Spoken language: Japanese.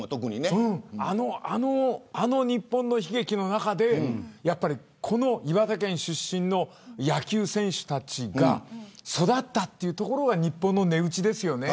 あの日本の悲劇の中で岩手県出身の野球選手たちが育ったというところが日本の値打ちですよね。